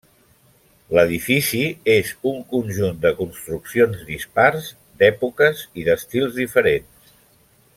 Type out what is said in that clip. L'edifici és un conjunt de construccions dispars, d'èpoques i d'estils diferents.